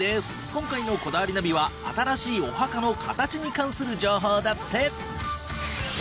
今回の『こだわりナビ』は新しいお墓のカタチに関する情報だって。